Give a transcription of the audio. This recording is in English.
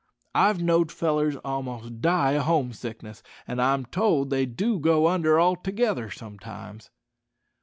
I've knowed fellers a'most die o' home sickness, an' I'm told they do go under altogether sometimes."